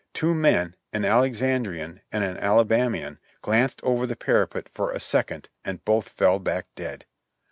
Two men, an Alexandrian and an Ala bamian, glanced over the parapet for a second and both fell back dead.